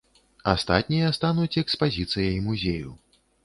Астатнія стануць экспазіцыяй музею.